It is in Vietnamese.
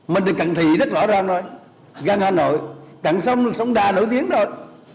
mình được cặn thị rất rõ ràng rồi gần hà nội cặn sông sông đà nổi tiếng rồi